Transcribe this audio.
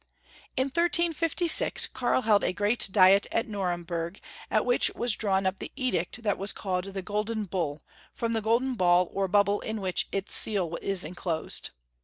In 1356 Karl held a great diet at Nuremburg, at which was drawn up the Edict that was called the Golden Bull, from the golden ball or bubble in which its seal is enclosed.